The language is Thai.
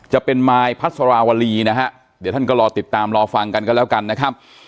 จะเป็นมายพัสราวรีนะฮะเดี๋ยวท่านก็รอติดตามรอฟังกันก็แล้วกันนะครับ